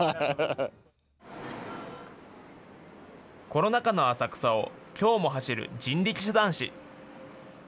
コロナ禍の浅草をきょうも走る人力車男子。